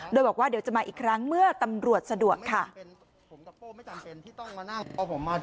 โดยบอกว่าเดี๋ยวจะมาอีกครั้งเมื่อตำรวจสะดวกค่ะ